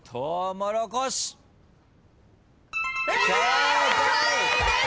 正解です。